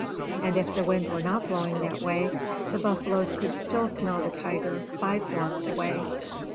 And if the wind were not blowing that way, the buffaloes could still smell the tiger five blocks away.